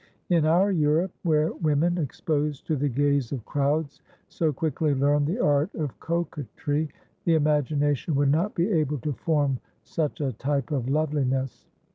In our Europe, where women, exposed to the gaze of crowds, so quickly learn the art of coquetry, the imagination would not be able to form such a type of loveliness.